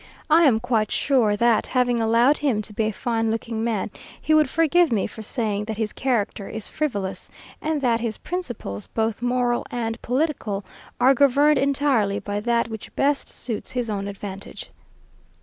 I am quite sure that, having allowed him to be a fine looking man, he would forgive me for saying that his character is frivolous, and that his principles, both moral and political, are governed entirely by that which best suits his own advantage.